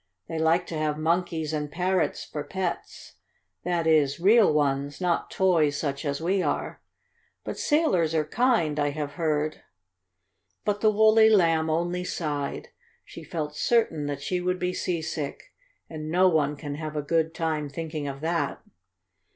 They like to have monkeys and parrots for pets that is, real ones, not toys such as we are. But sailors are kind, I have heard." But the woolly Lamb only sighed. She felt certain that she would be seasick, and no one can have a good time thinking of that.